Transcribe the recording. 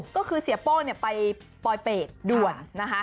ก็คือเสียโป้ไปปลอยเปรตด่วนนะคะ